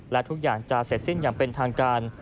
และทุกอย่างจะเสร็จสิ้นอย่างเป็นทางการ